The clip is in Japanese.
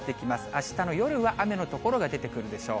あしたの夜は雨の所が出てくるでしょう。